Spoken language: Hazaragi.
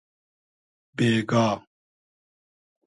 بېگا